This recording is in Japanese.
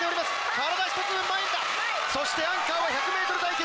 体ひとつ分前に出たそしてアンカーは１００ｍ対決